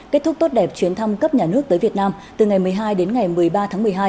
kết thúc tốt đẹp chuyến thăm cấp nhà nước tới việt nam từ ngày một mươi hai đến ngày một mươi ba tháng một mươi hai